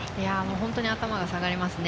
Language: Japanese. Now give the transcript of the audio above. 本当に頭が下がりますね。